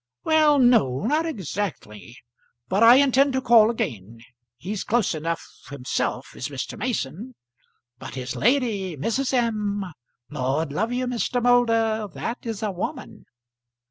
"Well, no; not exactly; but I intend to call again. He's close enough himself, is Mr. Mason. But his lady, Mrs. M.! Lord love you, Mr. Moulder, that is a woman!"